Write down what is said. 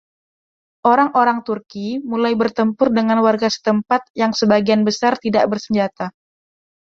Orang-orang Turki mulai bertempur dengan warga setempat yang sebagian besar tidak bersenjata.